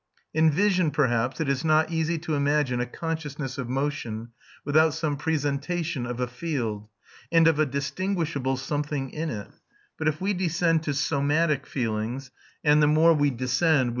In vision, perhaps, it is not easy to imagine a consciousness of motion without some presentation of a field, and of a distinguishable something in it; but if we descend to somatic feelings (and the more we descend, with M.